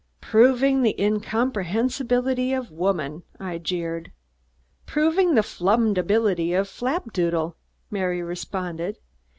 "Proving the incomprehensibility of woman," I jeered. "Proving the flumdability of flapdoodle," Mary responded.